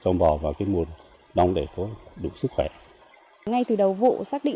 năm hai nghìn hai mươi một là lần đầu tiên